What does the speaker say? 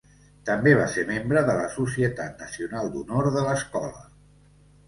També va ser membre de la Societat Nacional d'Honor de l'escola.